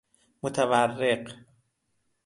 متورق